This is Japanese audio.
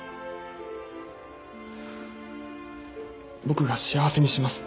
僕が幸せにします。